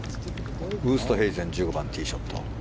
ウーストヘイゼン１５番のティーショット。